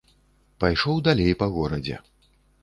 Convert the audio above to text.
Пайшоў далей па горадзе.